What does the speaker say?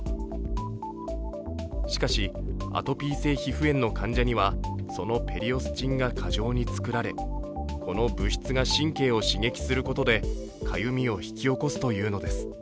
しかしアトピー性皮膚炎の患者にはそのペリオスチンが過剰に作られこの物質が神経を刺激することでかゆみを引き起こすというのです。